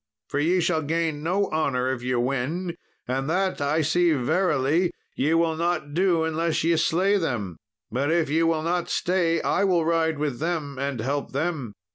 For ye shall gain no honour if ye win, and that I see verily ye will not do unless ye slay them; but if ye will not stay, I will ride with them and help them."